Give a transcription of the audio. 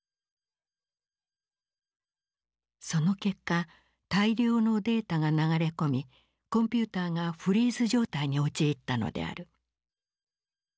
その結果大量のデータが流れ込みコンピューターがフリーズ状態に陥ったのである。